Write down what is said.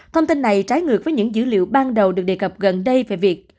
thông tin này trái ngược với những dữ liệu ban đầu được đề cập gần đây về việc